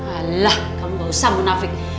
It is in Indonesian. alah kamu ga usah munafik